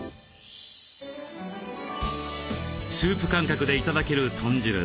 スープ感覚で頂ける豚汁。